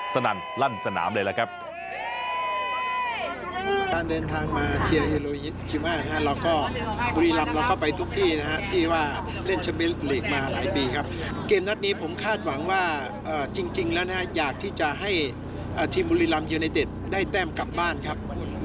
สนั่นลั่นสนามเลยล่ะครับ